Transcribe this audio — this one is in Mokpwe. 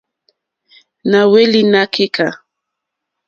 Na hweli na keka.